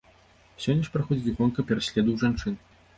Сёння ж праходзіць гонка пераследу ў жанчын.